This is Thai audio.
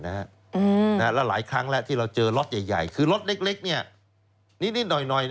แล้วหลายครั้งแล้วที่เราเจอรถใหญ่คือรถเล็กนิดหน่อย